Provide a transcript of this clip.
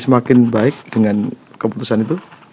semakin baik dengan keputusan itu